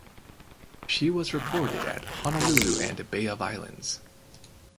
She was reported at Honolulu and Bay of Islands.